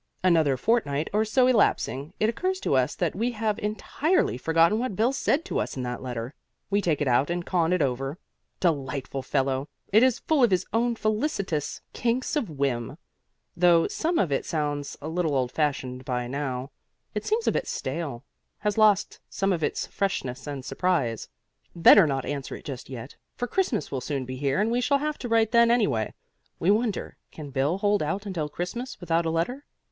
Another fortnight or so elapsing, it occurs to us that we have entirely forgotten what Bill said to us in that letter. We take it out and con it over. Delightful fellow! It is full of his own felicitous kinks of whim, though some of it sounds a little old fashioned by now. It seems a bit stale, has lost some of its freshness and surprise. Better not answer it just yet, for Christmas will soon be here and we shall have to write then anyway. We wonder, can Bill hold out until Christmas without a letter?